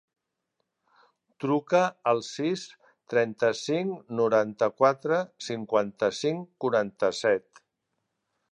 Truca al sis, trenta-cinc, noranta-quatre, cinquanta-cinc, quaranta-set.